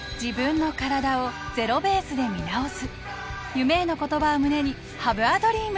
夢への言葉を胸にハブアドリーム！